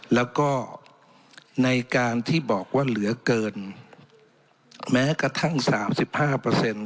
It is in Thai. แล้วก็ในการที่บอกว่าเหลือเกินแม้กระทั่งสามสิบห้าเปอร์เซ็นต์